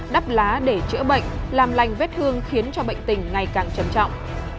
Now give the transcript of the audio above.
đắp lá để chữa bệnh làm lành vết thương khiến cho bệnh tình ngày càng trầm trọng